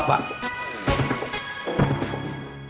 bapak pertaruhkan pekerjaan bapak